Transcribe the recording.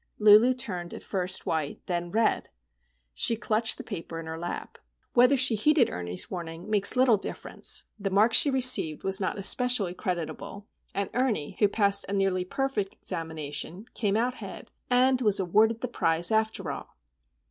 Lulu turned first white, then red. She clutched the paper in her lap. Whether she heeded Ernie's warning makes little difference. The mark she received was not especially creditable; and Ernie, who passed a nearly perfect examination, came out head, and was awarded the prize, after all.